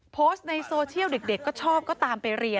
โพสต์ในโซเชียลเด็กก็ชอบก็ตามไปเรียน